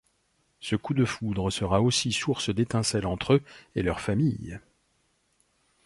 Ce coup de foudre sera aussi source d'étincelles entre eux, et leur famille.